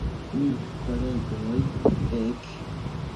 Nu, kolegoj, ek!